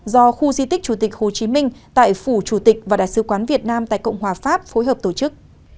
do khu di tích chủ tịch hồ chí minh tại phủ chủ tịch và đại sứ quán việt nam tại cộng hòa pháp phối hợp tổ chức